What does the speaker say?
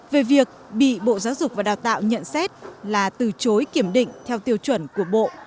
về việc bị bộ giáo dục và đào tạo nhận xét là từ chối kiểm định theo tiêu chuẩn của bộ